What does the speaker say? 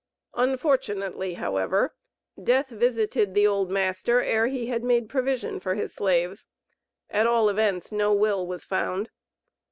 Unfortunately, however, death visited the old master, ere he had made provision for his slaves. At all events, no will was found.